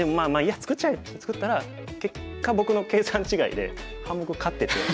作っちゃえ！」って作ったら結果僕の計算違いで半目勝ってて。